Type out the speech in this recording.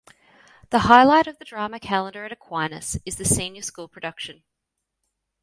The highlight of the Drama calendar at Aquinas is the senior school production.